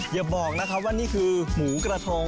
อย่าบอกนะครับว่านี่คือหมูกระทง